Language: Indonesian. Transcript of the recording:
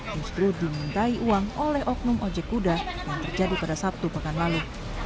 justru dimintai uang oleh oknum ojekuda yang terjadi pada sabtu makan lalu